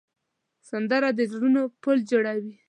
سندره د زړونو پل جوړوي